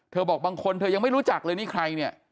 บอกบางคนเธอยังไม่รู้จักเลยนี่ใครเนี่ย